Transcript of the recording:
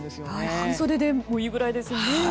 半袖でもいいくらいですよね。